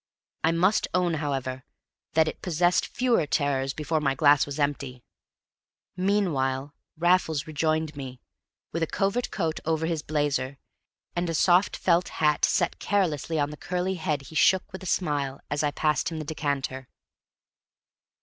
I must own, however, that it possessed fewer terrors before my glass was empty. Meanwhile Raffles rejoined me, with a covert coat over his blazer, and a soft felt hat set carelessly on the curly head he shook with a smile as I passed him the decanter.